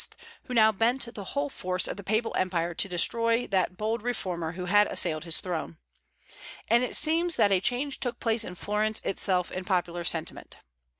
who now bent the whole force of the papal empire to destroy that bold reformer who had assailed his throne. And it seems that a change took place in Florence itself in popular sentiment.